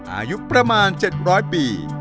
อายุประมาณ๗๐๐ปี